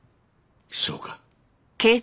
そうか。